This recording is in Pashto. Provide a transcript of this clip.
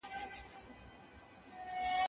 زه به سبا بوټونه پاکوم.